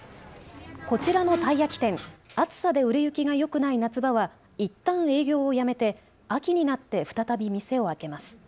こちらのたい焼き店、暑さで売れ行きがよくない夏場はいったん営業をやめて秋になって再び店を開けます。